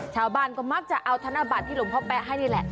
ชาวบ้านก็มักจะเอาธนบัตรที่หลวงพ่อแป๊ะให้นี่แหละ